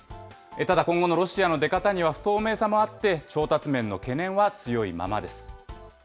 ただ今後のロシアの出方には不透明さもあって調達面の懸念は強いままです。